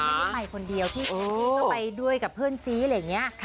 ไม่ได้ไปคนเดียวที่แองจี้ก็ไปด้วยกับเพื่อนซีอะไรอย่างนี้